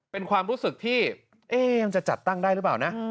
เป็นความรู้สึกที่มันจะจัดตั้งได้หรือเปล่านะ